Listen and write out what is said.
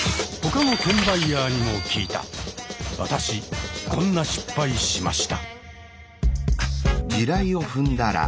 私こんな失敗しました。